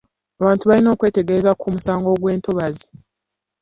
Abantu balina okutegeezebwa ku mugaso gw'entobazi.